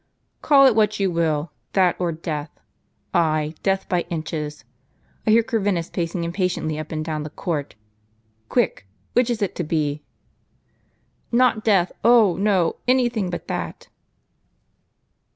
" "Call it what you will; that or death! Ay, death by inches. I hear Corvinus pacing impatiently up and down the court. Quick! which is it to be ?"" Not death ! Oh, no, any thing but that